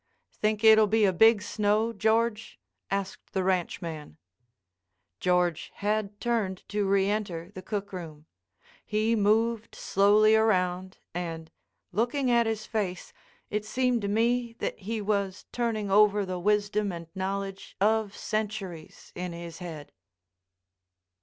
"Think it'll be a big snow, George?" asked the ranchman. George had turned to reenter the cook room. He moved slowly around and, looking at his face, it seemed to me that he was turning over the wisdom and knowledge of centuries in his head.